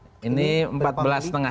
glicerolnya berapa pak